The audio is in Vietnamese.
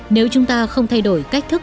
nếu chúng ta không thay đổi cách thức